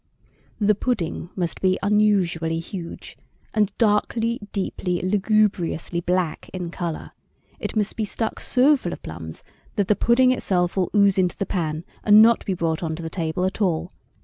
The pudding must be unusually huge, and darkly, deeply, lugubriously black in color. It must be stuck so full of plums that the pudding itself will ooze out into the pan and not be brought on to the table at all.